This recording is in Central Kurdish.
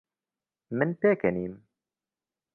من پێکەنیم.